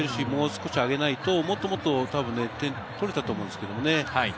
もう少し上げないと、もっと点を取れたと思うんですけどね。